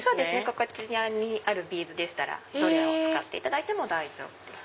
こちらにあるビーズでしたらどれを使っても大丈夫です。